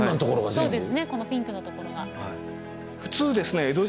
そうですねこのピンクのところが。